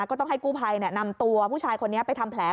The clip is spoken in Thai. ก็ต้องให้กู้ภัยนำตัวผู้ชายคนนี้ไปทำแผล